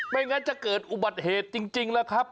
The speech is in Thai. ไม่งั้นจะเกิดอุบัติเหตุจริงแล้วครับ